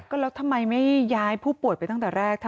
ก็แล้วทำไมไม่ย้ายผู้ป่วยไปตั้งแต่แรก